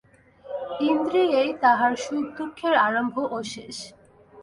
ইন্দ্রিয়েই তাহার সুখ-দুঃখের আরম্ভ ও শেষ।